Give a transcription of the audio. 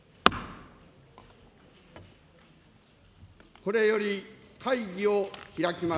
これより会議を開きます。